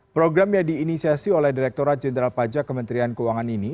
program yang diinisiasi oleh direkturat jenderal pajak kementerian keuangan ini